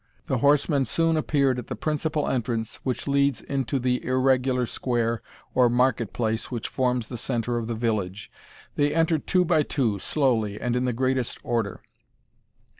The horsemen soon appeared at the principal entrance which leads into the irregular square or market place which forms the centre of the village. They entered two by two, slowly, and in the greatest order.